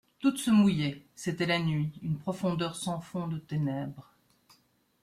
Toutes se mouillaient, c'était la nuit, une profondeur sans fond de ténèbres.